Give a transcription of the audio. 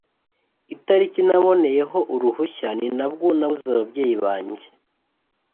Itariki naboneyeho uruhushya ninabwo nabuze ababyeyi bange